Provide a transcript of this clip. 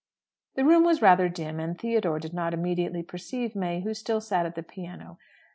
The room was rather dim, and Theodore did not immediately perceive May, who still sat at the piano.